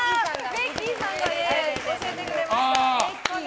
ベッキーさんが教えてくれました。